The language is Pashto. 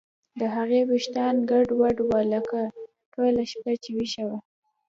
د هغې ویښتان ګډوډ وو لکه ټوله شپه چې ویښه وي